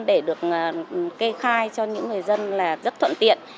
để được kê khai cho những người dân là rất thuận tiện